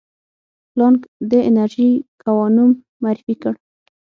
پلانک د انرژي کوانوم معرفي کړ.